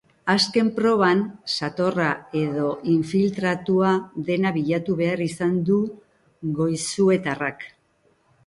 Azken proban, satorra edo infiltratua dena bilatu behar izan du goizuetarrak.